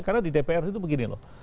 karena di dpr itu begini loh